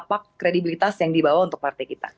apa kredibilitas yang dibawa untuk partai kita